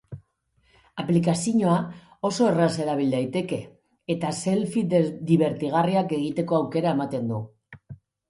Aplikazioa oso erraz erabil daiteke, eta selfie dibertigarriak egiteko aukera ematen du.